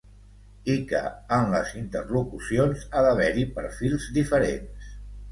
I que en les interlocucions ha d’haver-hi perfils diferents.